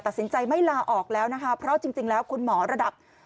ตัดสินใจไม่ลาออกแล้วนะคะเพราะจริงแล้วคุณหมอระดับ